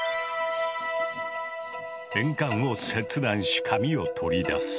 鉛管を切断し紙を取り出す。